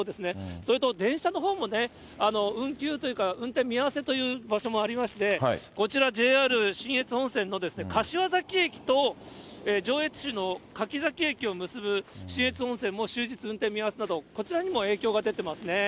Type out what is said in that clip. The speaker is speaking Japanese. それと電車のほうもね、運休というか、運転見合わせという場所もありまして、こちら、ＪＲ信越本線の柏崎駅と上越市の柿崎駅を結ぶ信越本線も終日運転見合わせなど、こちらにも影響が出てますね。